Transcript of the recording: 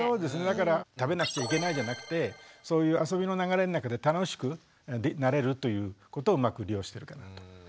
だから食べなくちゃいけないじゃなくてそういう遊びの流れの中で楽しくなれるということをうまく利用してるかなと思ってますけど。